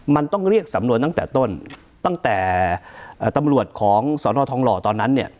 มันต้องเรียกสำนวนตั้งแต่ต้นตั้งแต่ตำรวจของสอนอทองหล่อตอนนั้นเนี่ย